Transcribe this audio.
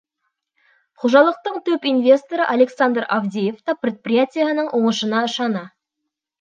Хужалыҡтың төп инвесторы Александр Авдеев та предприятиеһының уңышына ышана.